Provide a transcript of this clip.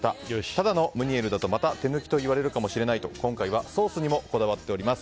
ただのムニエルだとまた手抜きといわれるかもしれないと今回はソースにもこだわっております。